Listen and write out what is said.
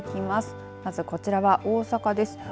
まず、こちらは大阪です。